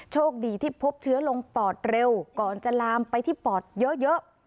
โชคดีที่พบเชื้อลงปอดเร็วก่อนจะลามไปที่ปอดเยอะ